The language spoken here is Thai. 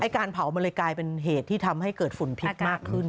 การเผามันเลยกลายเป็นเหตุที่ทำให้เกิดฝุ่นพิษมากขึ้น